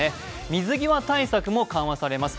水際対策も緩和されます。